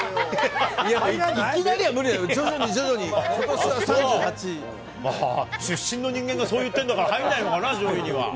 やっぱいきなりは無理なので、出身の人間がそう言ってんだから、入んないのかな、上位には。